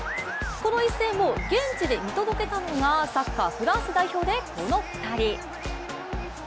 この一戦を現地で見届けたのが、サッカー・フランス代表でこの２人。